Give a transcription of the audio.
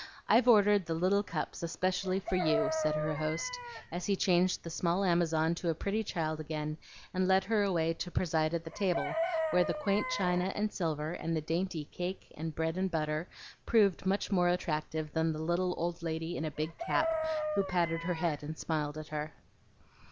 I've ordered the little cups especially for you," said her host, as he changed the small Amazon to a pretty child again and led her away to preside at the table, where the quaint china and silver, and the dainty cake and bread and butter proved much more attractive than the little old lady in a big cap who patted her head and smiled at her.